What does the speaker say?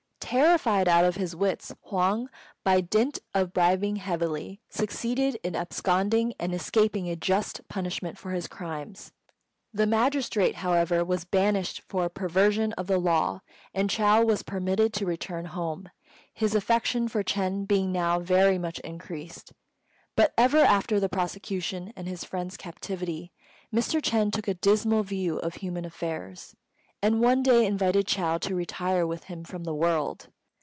Terrified out of his wits, Huang, by dint of bribing heavily, succeeded in absconding and escaping a just punishment for his crimes. The magistrate, however, was banished for perversion of the law, and Chou was permitted to return home, his affection for Ch'êng being now very much increased. But ever after the prosecution and his friend's captivity, Mr. Ch'êng took a dismal view of human affairs, and one day invited Chou to retire with him from the world.